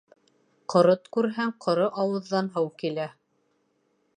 Ҡорот күрһәң, ҡоро ауыҙҙан һыу килә.